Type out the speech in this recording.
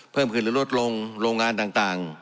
เพิ่มขึ้นหรือลดลงโรงงานต่าง